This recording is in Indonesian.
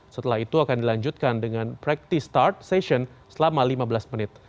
setelah itu akan dilanjutkan dengan practice start session selama lima belas menit